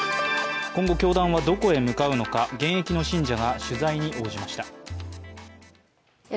今後教団はどこへ向かうのか、現役の信者が取材に応じました。